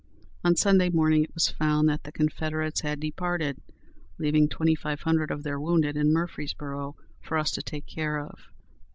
On Sunday morning it was found that the Confederates had departed, leaving twenty five hundred of their wounded in Murfreesboro' for us to take care of.